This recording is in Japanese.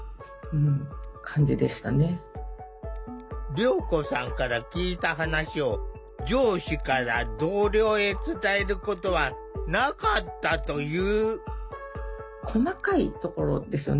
りょうこさんから聞いた話を上司から同僚へ伝えることはなかったという。